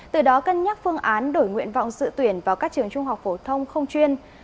từ đó cân nhắc phương án đổi nguyện vọng dự tuyển vào các trường trung học phổ thông không chuyên